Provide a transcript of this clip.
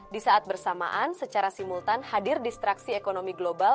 di saat bersamaan secara simultan hadir distraksi ekonomi global